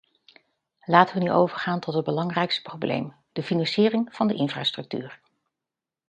Laten we nu overgaan tot het belangrijkste probleem - de financiering van de infrastructuur.